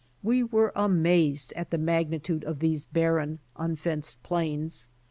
We were amazed at the magnitude of these barren, unfenced plains.